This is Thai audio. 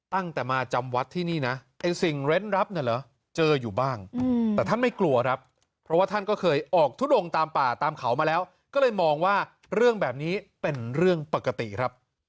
ตั้งแต่มาจำวัดที่นี่นะเอ็นสิ่งเร่นรัฐเนี่ยเหรอ